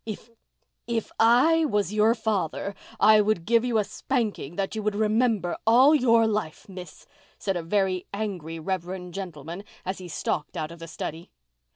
"If—if I was your father, I would give you a spanking that you would remember all your life, Miss," said a very angry reverend gentleman, as he stalked out of the study.